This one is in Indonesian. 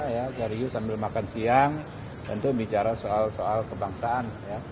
ya cari yuk sambil makan siang tentu bicara soal soal kebangsaan